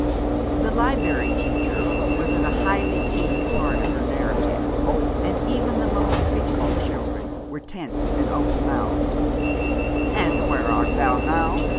The Liberry Teacher was at a highly keyed part of her narrative, and even the most fidgety children were tense and open mouthed. "'And where art thou now?'